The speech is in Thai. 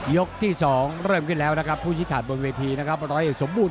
ยกที่๒เริ่มขึ้นแล้วนะครับผู้ชิคกีษบนวีดีอีกสมบูรณ์